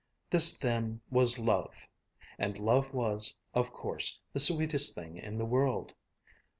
This then was love, and love was, of course, the sweetest thing in the world.